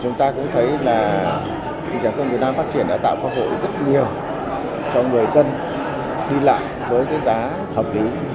thị trường hàng không việt nam phát triển đã tạo cơ hội rất nhiều cho người dân đi lại với cái giá hợp lý